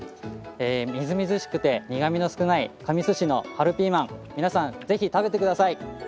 みずみずしくて苦みの少ない神栖市の春ピーマン皆さん、ぜひ食べてください。